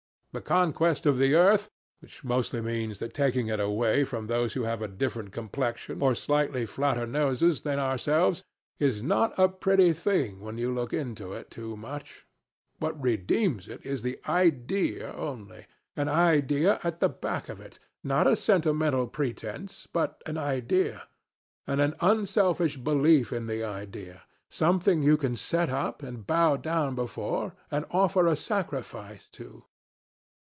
The conquest of the earth, which mostly means the taking it away from those who have a different complexion or slightly flatter noses than ourselves, is not a pretty thing when you look into it too much. What redeems it is the idea only. An idea at the back of it; not a sentimental pretense but an idea; and an unselfish belief in the idea something you can set up, and bow down before, and offer a sacrifice to.